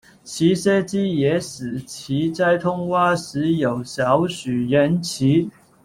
其设计也使其在通话时有少许延迟。